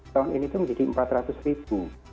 tahun ini itu menjadi rp empat ratus